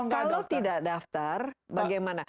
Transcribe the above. kalau tidak daftar bagaimana